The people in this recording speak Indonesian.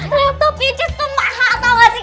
laptop inces tuh mahal tau gak sih